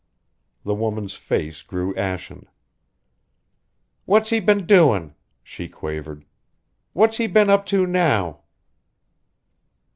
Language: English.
The woman's face grew ashen. "What's he been doin'?" she quavered. "What's he been up to now?"